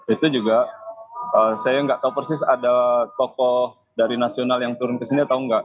itu juga saya nggak tahu persis ada tokoh dari nasional yang turun ke sini atau enggak